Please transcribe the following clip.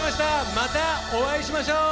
またお会いしましょう。